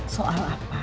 saya tidak bisa